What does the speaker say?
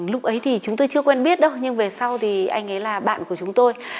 lúc ấy thì chúng tôi chưa quen biết đâu nhưng về sau thì anh ấy là bạn của chúng tôi